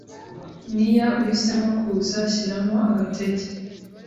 Nia uhisemo kuza Shyiramo agatege